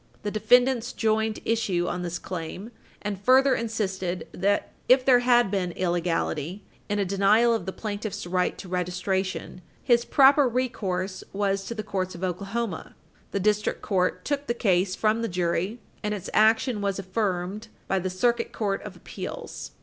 The defendants joined issue on this claim, and further insisted that, if there had been illegality Page 307 U. S. 272 in a denial of the plaintiff's right to registration, his proper recourse was to the courts of Oklahoma. The District Court took the case from the jury, and its action was affirmed by the Circuit Court of Appeals.